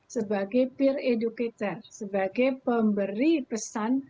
sebagai peer educator sebagai pemberi pesan